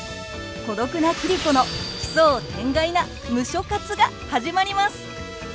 孤独な桐子の奇想天外な「ムショ活」が始まります！